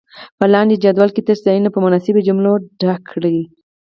په لاندې جدول کې تش ځایونه په مناسبو جملو ډک کړئ.